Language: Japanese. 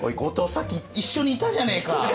さっき一緒にいたじゃねえか！